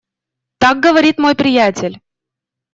Так говорит мой приятель.